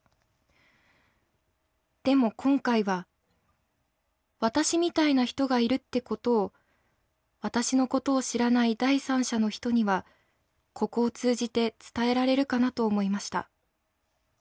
でも今回は私みたいな人がいるってことを私のことを知らない第三者の人にはここを通じて伝えられるかなと思いました。